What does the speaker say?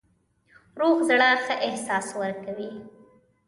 روغ زړه ښه احساس ورکوي.